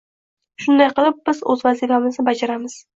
Shunday qilib, biz o'z vazifamizni bajaramiz